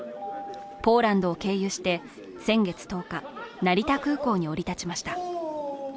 ポーランドを経由して先月１０日、成田空港に降り立ちました。